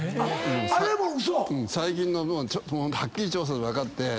最近はっきり調査で分かって。